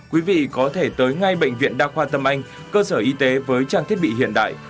quý vị có thể tới ngay bệnh viện đa khoa tâm anh cơ sở y tế với trang thiết bị hiện đại